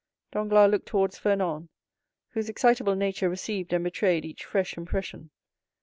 Danglars looked towards Fernand, whose excitable nature received and betrayed each fresh impression.